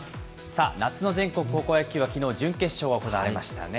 さあ、夏の全国高校野球はきのう、準決勝が行われましたね。